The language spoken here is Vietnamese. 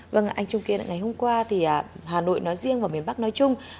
vâng anh trung kiên ngày hôm qua thì hà nội nói riêng và miền bắc nói chung